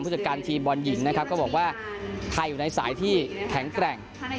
จัดการทีมบอลหญิงนะครับก็บอกว่าไทยอยู่ในสายที่แข็งแกร่ง